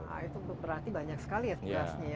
nah itu berarti banyak sekali ya tugasnya ya